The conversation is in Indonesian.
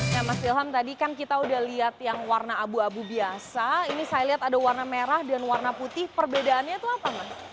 nah mas ilham tadi kan kita udah lihat yang warna abu abu biasa ini saya lihat ada warna merah dan warna putih perbedaannya itu apa mas